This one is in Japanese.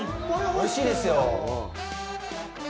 おいしいですよ。